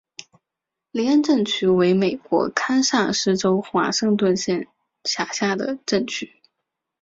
林恩镇区为美国堪萨斯州华盛顿县辖下的镇区。